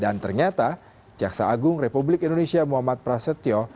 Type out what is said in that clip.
ternyata jaksa agung republik indonesia muhammad prasetyo